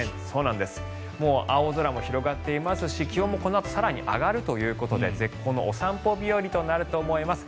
もう青空も広がっていますし気温もこのあと更に上がるということで絶好のお散歩日和となると思います。